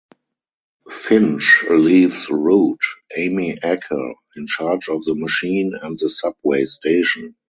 Finch leaves Root (Amy Acker) in charge of the Machine and the subway station.